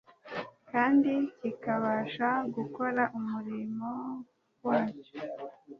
kandi kikabasha gukora umurimo wacyo